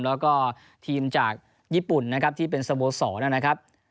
แล้วก็ทีมจากญี่ปุ่นที่เป็นสโบสอนะครับ